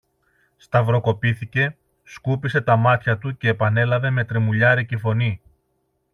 Σταυροκοπήθηκε, σκούπισε τα μάτια του κι επανέλαβε με τρεμουλιάρικη φωνή